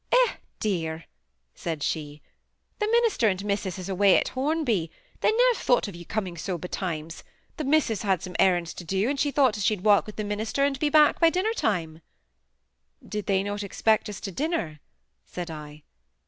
"Eh, dear!" said she, "the minister and missus is away at Hornby! They ne'er thought of your coming so betimes! The missus had some errands to do, and she thought as she'd walk with the minister and be back by dinner time." "Did not they expect us to dinner?" said I.